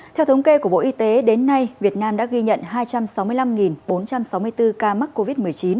theo thống kê của bộ y tế đến nay việt nam đã ghi nhận hai trăm sáu mươi năm bốn trăm sáu mươi bốn ca mắc covid một mươi chín